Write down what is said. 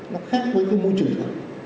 nó khác với cái môi trường đó